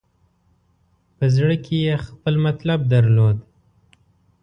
په زړه کې یې خپل مطلب درلود.